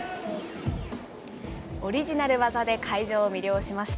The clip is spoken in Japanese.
オリジナル技で会場を魅了しました。